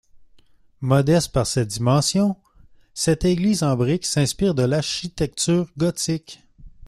Modeste par ses dimensions, cette église en brique s'inspire de l'architecture gothique.